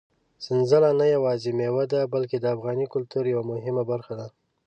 سنځله نه یوازې مېوه ده، بلکې د افغاني کلتور یوه مهمه برخه ده.